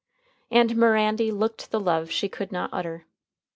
And Mirandy looked the love she could not utter.